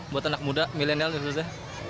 buat anak muda milenial terus ya